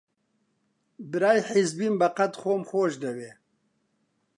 برای حیزبیم بەقەد خۆم خۆش دەوێ